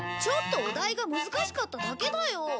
ちょっとお題が難しかっただけだよ。